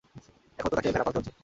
এখন তো তাকে ভেড়া পালতে হচ্ছে।